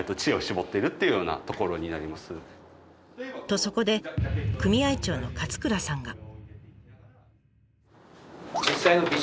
とそこで組合長の勝倉さんが。